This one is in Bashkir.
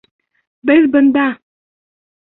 Беҙ бында!